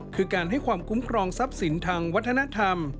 คือการให้ความคุ้มครองทรัพย์สินทางวัฒนธรรม